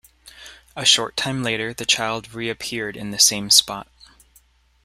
A short time later, the child reappeared in the same spot.